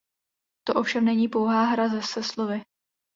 To ovšem není pouhá hra se slovy.